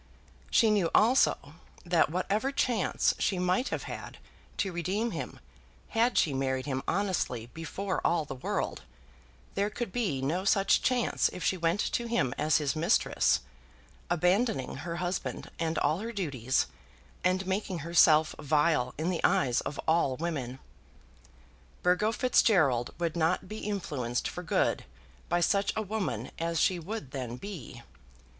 She knew also that whatever chance she might have had to redeem him, had she married him honestly before all the world, there could be no such chance if she went to him as his mistress, abandoning her husband and all her duties, and making herself vile in the eyes of all women. Burgo Fitzgerald would not be influenced for good by such a woman as she would then be.